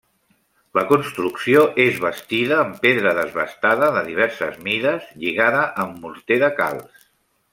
La construcció és bastida amb pedra desbastada de diverses mides, lligada amb morter de calç.